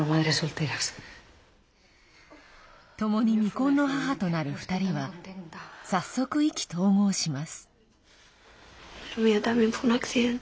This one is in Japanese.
ともに未婚の母となる２人は早速、意気投合します。